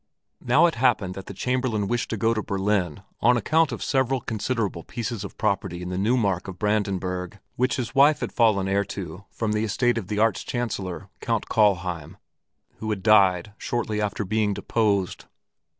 Now it happened that the Chamberlain wished to go to Berlin on account of several considerable pieces of property in the Neumark of Brandenburg which his wife had fallen heir to from the estate of the Arch Chancellor, Count Kallheim, who had died shortly after being deposed.